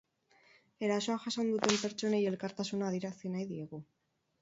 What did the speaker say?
Erasoa jasan duten pertsonei elkartasuna adierazi nahi diegu.